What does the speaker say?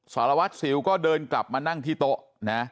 สารวัตรสิวก็เดินกลับมานั่งที่โต๊ะนะ